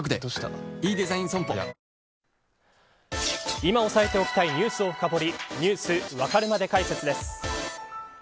今押さえておきたいニュースを深掘りニュースわかるまで解説です。